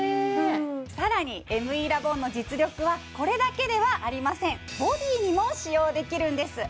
さらにＭＥラボンの実力はこれだけではありませんボディにも使用できるんです